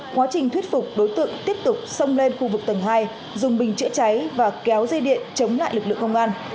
quá trình thuyết phục đối tượng tiếp tục xông lên khu vực tầng hai dùng bình chữa cháy và kéo dây điện chống lại lực lượng công an